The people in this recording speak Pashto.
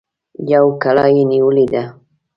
يوه کلا يې نيولې ده.